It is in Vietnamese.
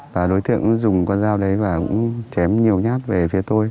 và đối tượng dùng con dao đấy và cũng chém nhiều nhát về phía tôi